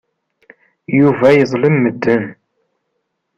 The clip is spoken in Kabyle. Yuba yeḍlem medden.